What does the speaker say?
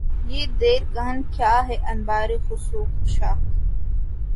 یہ دیر کہن کیا ہے انبار خس و خاشاک